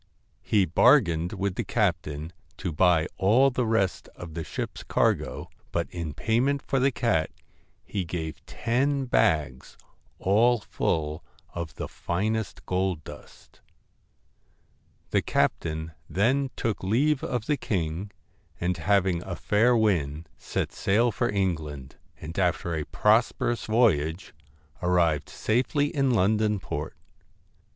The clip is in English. He bargained with the captain to buy all the rest of the ship's cargo, but in payment for the cat he gave ten bags all full of the finest gold dust The captain then took leave of the king, and having a fair wind set sail for England, and after a prosperous voyage arrived safely in London port.